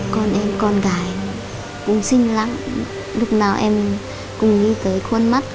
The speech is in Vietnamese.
con em con gái cũng xinh lắm lúc nào em cũng nghĩ tới khuôn mắt